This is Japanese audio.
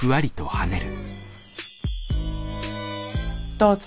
どうぞ。